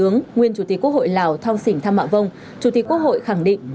nguyên chủ tịch quốc hội lào thong sỉnh tham mạ vông chủ tịch quốc hội khẳng định